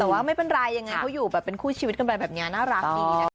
ก็ไม่เป็นไรยังไงเขาอยู่แบบเป็นคู่ชีวิตกันแบบนี้น่ารักดี